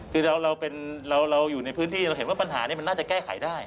คือเราอยู่ในพื้นที่เราเห็นว่าปัญหานี้มันน่าจะแก้ไขได้